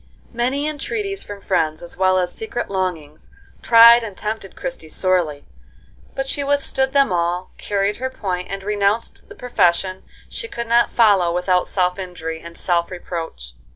Many entreaties from friends, as well as secret longings, tried and tempted Christie sorely, but she withstood them all, carried her point, and renounced the profession she could not follow without self injury and self reproach.